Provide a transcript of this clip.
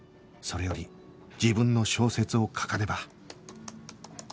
それより自分の小説を書かねば